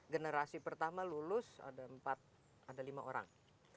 generasi pertama lulus ada empat ada lima orang